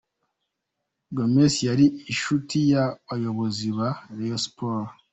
Gomes yari inshuti y’abayobozi ba Rayon Sports.